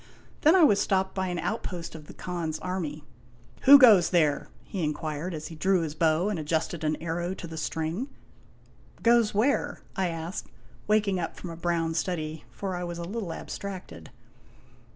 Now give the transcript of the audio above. Then I was stopped by an outpost of the Khan's army. "Who goes there?' he inquired, as he drew his bow and ad justed an arrow to the string. " Goes where ?" I asked, waking up from a brown study, for I was a little abstracted.